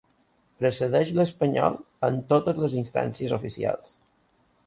Precedeix l'Espanyol en totes les instàncies oficials.